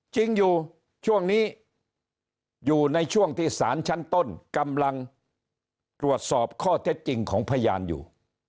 จริงอยู่ช่วงนี้อยู่ในช่วงที่สารชั้นต้นกำลังตรวจสอบข้อเท็จจริงของพยานอยู่